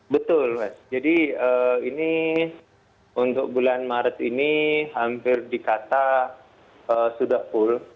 betul mas jadi ini untuk bulan maret ini hampir dikata sudah full